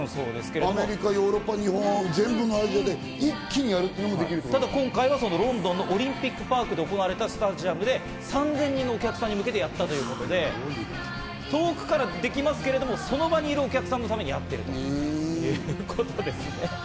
アメリカ、ヨーロッパ、日本、全部並べて、一気にやるっていう今回はロンドンのオリンピックパークで行われたステージで３０００人のお客さんに向けてやったということで遠くからできますけど、その場にいるお客さんのためにやったということです。